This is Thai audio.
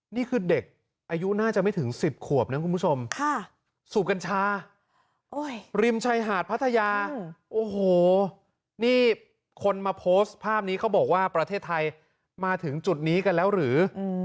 นี่คือเด็กอายุน่าจะไม่ถึง๑๐ขวบนะคุณผู้ชมสูบกัญชาริมชายหาดพัทยาโอ้โหนี่คนมาโพสต์ภาพนี้เขาบอกว่าประเทศไทยมาถึงจุดนี้กันแล้วหรือ